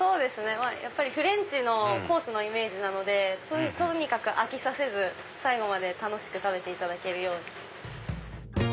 やっぱりフレンチのコースのイメージなのでとにかく飽きさせず最後まで楽しく食べていただけるように。